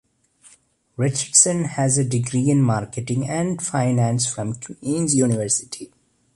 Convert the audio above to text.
Richardson has a degree in marketing and finance from Queen's University.